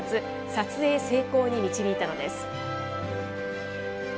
撮影成功に導いたのです。